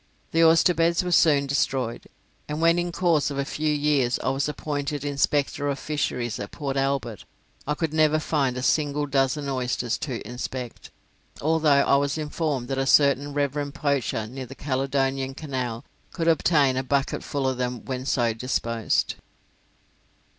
The oyster beds were soon destroyed, and when in course of a few years I was appointed inspector of fisheries at Port Albert I could never find a single dozen oysters to inspect, although I was informed that a certain reverend poacher near the Caledonian Canal could obtain a bucket full of them when so disposed.